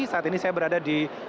saat ini saya berada di